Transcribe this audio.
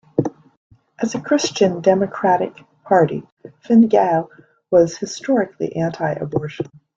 As a Christian democratic party, Fine Gael was historically anti-abortion.